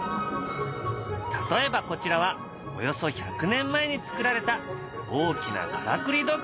例えばこちらはおよそ１００年前に作られた大きなからくり時計。